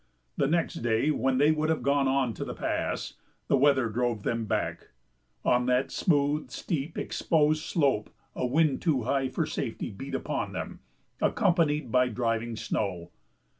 The next day, when they would have gone on to the pass, the weather drove them back. On that smooth, steep, exposed slope a wind too high for safety beat upon them, accompanied by driving snow.